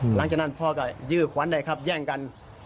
หลังจากนั้นพ่อก็ยื้อขวัญได้ครับแย่งกัน